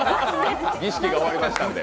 儀式が終わりましたんで。